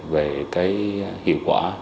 về cái hiệu quả